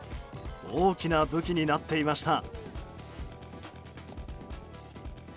大きな武器になっていました。